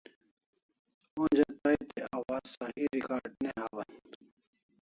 Onja tai te awaz Sahi recard ne hawan